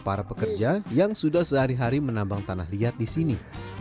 para pekerja yang sudah sehari hari menambang tanah liat di sini